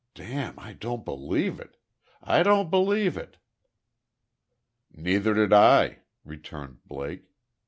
Damme, I don't believe it. I won't believe it!" "Neither did I," returned Blake.